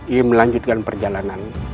ia melanjutkan perjalanan